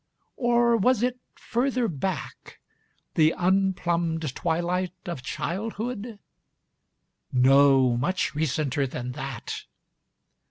Or was it further backâthe unplumbed twilight Of childhood? .... Noâmuch recenter than that.